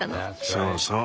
そうそう。